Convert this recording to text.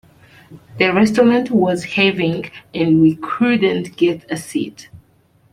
The restaurant was heaving and we couldn't get a seat.